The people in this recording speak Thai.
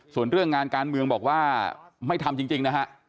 ส่วนเรื่องงานการเมืองบอกว่าไม่ทำจริงนะฮะ